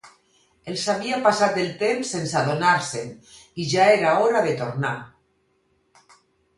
Els havia passat el temps sense adonar-se'n i ja era hora de tornar.